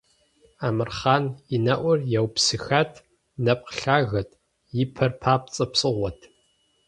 Амырхъан и нэӀур еупсэхат, нэпкъ лъагэт, и пэр папцӀэ псыгъуэт.